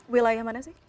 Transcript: wilayah mana sih